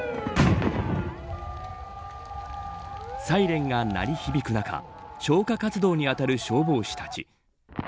サイレンが鳴り響く中消火活動にあたる消防士たち。